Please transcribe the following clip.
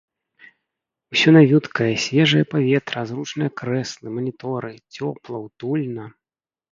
Усё навюткае, свежае паветра, зручныя крэслы, маніторы, цёпла, утульна.